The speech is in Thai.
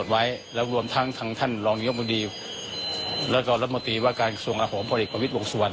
ซึ่งตรงนี้ทางคำบอกบอตรอ